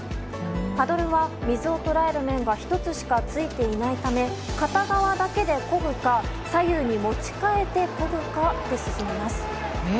パドルは水を捉える面が１つしかついていないため、片側だけでこぐか、左右に持ち替えてこぐかで進みます。